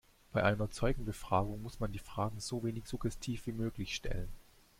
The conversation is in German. Bei einer Zeugenbefragung muss man die Fragen so wenig suggestiv wie möglich stellen.